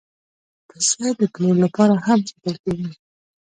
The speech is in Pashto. پسه د پلور لپاره هم ساتل کېږي.